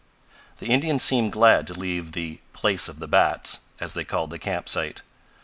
The Indians seemed glad to leave the "place of the bats," as they called the camp site.